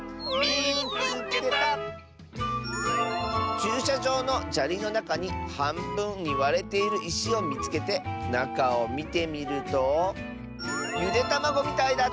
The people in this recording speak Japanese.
「ちゅうしゃじょうのじゃりのなかにはんぶんにわれているいしをみつけてなかをみてみるとゆでたまごみたいだった！」。